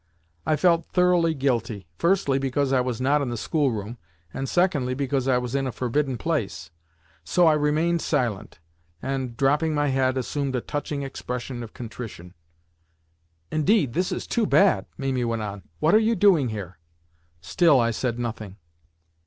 I felt thoroughly guilty, firstly, because I was not in the schoolroom, and secondly, because I was in a forbidden place. So I remained silent, and, dropping my head, assumed a touching expression of contrition. "Indeed, this is too bad!" Mimi went on, "What are you doing here?" Still I said nothing.